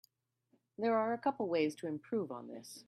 There are a couple ways to improve on this.